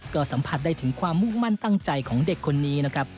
ก็สัมผัสได้ถึงความมุ่งมั่นตั้งใจของเด็กคนนี้นะครับ